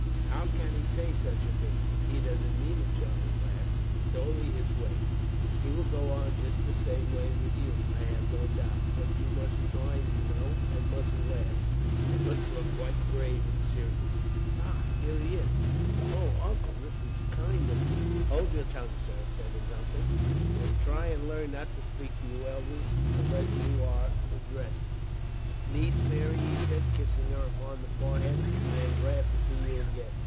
"How can he say such a thing?" "He doesn't mean it," Charlie laughed. "It's only his way. He will go on just the same way with you, I have no doubt; but you mustn't mind, you know, and mustn't laugh, but must look quite grave and serious. "Ah! Here he is. "Oh, Uncle, this is kind of you!" "Hold your tongue, sir," said his uncle, "and try and learn not to speak to your elders, unless you are addressed. "Niece Mary," he said, kissing her upon the forehead, "I am glad to see you again.